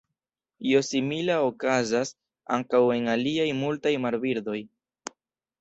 Io simila okazas ankaŭ en aliaj multaj marbirdoj.